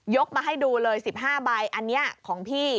มาให้ดูเลย๑๕ใบอันนี้ของพี่